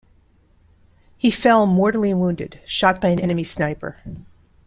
He fell mortally wounded, shot by an enemy sniper.